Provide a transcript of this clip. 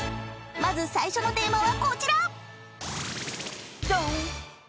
［まず最初のテーマはこちら］